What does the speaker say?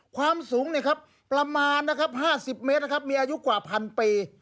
ความสูงประมาณ๕๐เมตรมีอายุกว่าพันปี